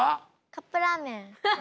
カップラーメン。